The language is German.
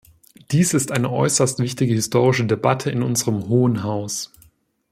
Dies ist eine äußerst wichtige, historische Debatte in unserem Hohen Haus.